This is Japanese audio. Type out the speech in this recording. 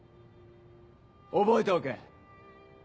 覚えておけ。